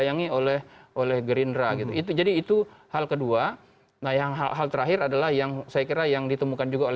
yang kedua selalu ada partai baru